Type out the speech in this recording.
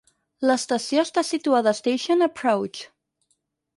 L'estació està situada a Station Approach.